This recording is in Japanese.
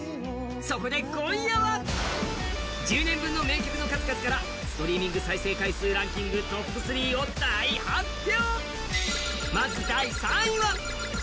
そこで今夜は１０年分の名曲の数々からストリーミング再生回数トップ３を大発表。